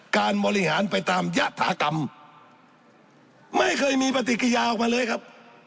การบริหารไปตามยะถากรรมไม่เคยมีปฏิกิยาออกมาเลยครับ